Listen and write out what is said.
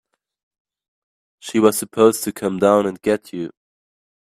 She was supposed to come down and get you.